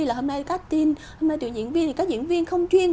là hôm nay tuyển diễn viên thì các diễn viên không chuyên